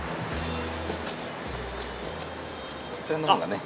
こちらのほうがね。